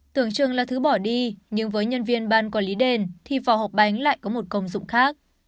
tưởng chừng là thứ bỏ đi nhưng với nhân viên ban quản lý đền thì vỏ hộp bánh lại có một công dụng khác